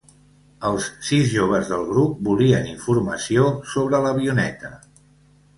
Els sis joves del grup volien informació sobre l'avioneta.